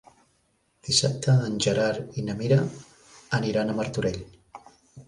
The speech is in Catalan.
Dissabte en Gerard i na Mira aniran a Martorell.